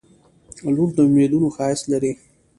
• لور د امیدونو ښایست لري.